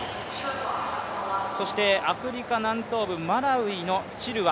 そしてアフリカ南東部、マラウイのチルワ。